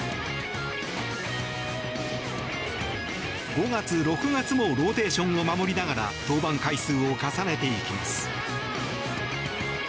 ５月、６月もローテーションを守りながら登板回数を重ねていきます。